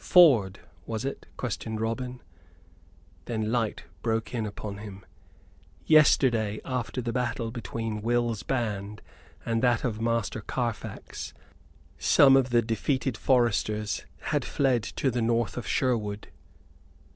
"Ford, was it?" questioned Robin. Then light broke in upon him. Yesterday, after the battle between Will's band and that of Master Carfax, some of the defeated foresters had fled to the north of Sherwood.